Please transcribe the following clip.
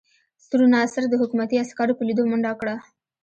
سور ناصر د حکومتي عسکرو په لیدو منډه کړه.